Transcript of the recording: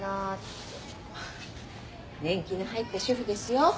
年季の入った主婦ですよ。